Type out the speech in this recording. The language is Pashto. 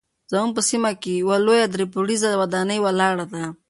زموږ په سیمه کې یوه لوړه درې پوړیزه ودانۍ ولاړه ده.